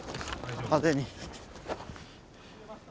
派手に。